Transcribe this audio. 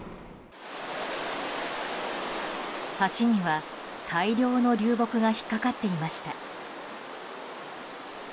橋には大量の流木が引っかかっていました。